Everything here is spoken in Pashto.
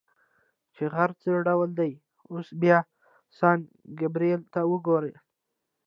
چې غر څه ډول دی، اوس بیا سان ګبرېل ته وګوره.